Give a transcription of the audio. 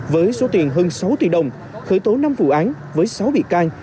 với số tiền hơn sáu tỷ đồng khởi tố năm vụ án với sáu bị can